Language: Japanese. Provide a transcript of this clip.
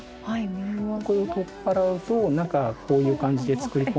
ここを取っ払うと中こういう感じで作り込んでおりまして。